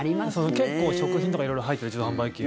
結構、食品とか色々入ってる自動販売機。